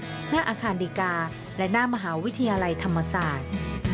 บริเวณหน้าตึกแดงหน้าอาคารดิกาและหน้ามหาวิทยาลัยธรรมศาสตร์